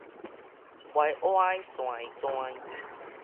歪歪跩跩